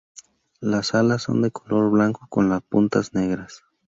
Las alas son de color blanco con las puntas negras.